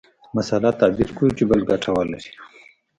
مسأله تعبیر کړو چې بل ګټه ولري.